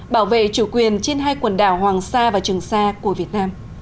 bảo vệ chủ quyền trên hai quần đảo hoàng sa và trường sa của việt nam